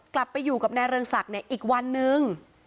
กลับไปอยู่กับนายเรืองศักดิ์เนี่ยอีกวันนึง